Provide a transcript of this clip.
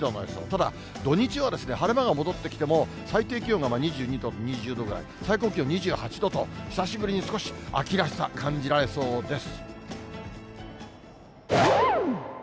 ただ、土日は晴れ間が戻ってきても、最低気温が２２度、２０度ぐらい、最高気温２８度と、久しぶりに少し秋らしさ感じられそうです。